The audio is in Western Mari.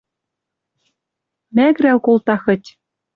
Мӓгӹрӓл колты хыть...